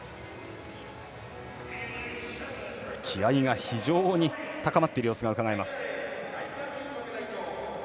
気合いが非常に高まっている様子がうかがえます。